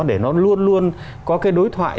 để nó luôn luôn có cái đối thoại